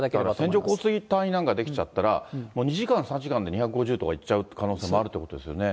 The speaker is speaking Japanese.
線状降水帯なんかが出来ちゃったら、２時間、３時間で２５０とかいっちゃう可能性もあるということですよね。